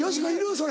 それ。